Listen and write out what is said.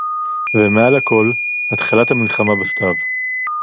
ומעל לכול – התחלת המלחמה בסתיו